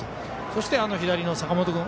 そして左の坂本君。